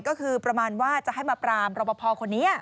ก็คือประมาณว่าจะให้มาปรามรอบพอคนนี้